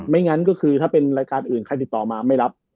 งั้นก็คือถ้าเป็นรายการอื่นใครติดต่อมาไม่รับ